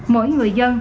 mỗi người dân